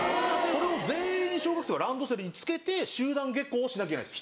それを全員小学生はランドセルにつけて集団下校をしなきゃいけないんです。